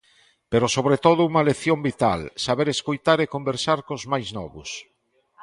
Pero sobre todo unha lección vital: saber escoitar e conversar cos máis novos.